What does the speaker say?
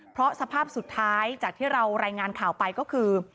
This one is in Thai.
เพราะสภาพสุดท้ายจากที่เรารายงานข่าวไปก็คือ